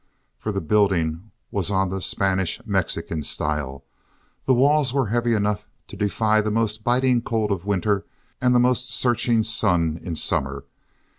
For the building was on the Spanish Mexican style. The walls were heavy enough to defy the most biting cold of winter and the most searching sun in summer.